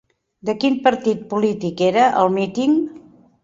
De quin partit polític era el míting?